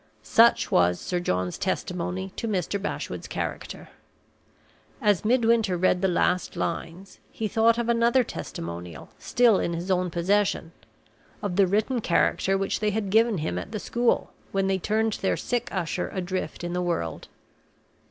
Such was Sir John's testimony to Mr. Bashwood's character. As Midwinter read the last lines, he thought of another testimonial, still in his own possession of the written character which they had given him at the school, when they turned their sick usher adrift in the world.